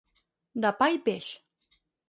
De pa i peix.